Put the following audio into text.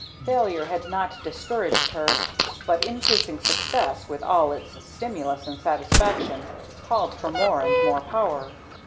Failure had not discouraged her, but increasing success with all its stimulus and satisfaction called for more and more power.